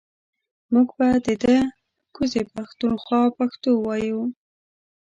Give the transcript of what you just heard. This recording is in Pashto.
مونږ به ده ده کوزې پښتونخوا پښتو وايو